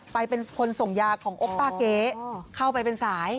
เป็นคนส่งยาของโอปป้าเก๊เข้าไปเป็นสาย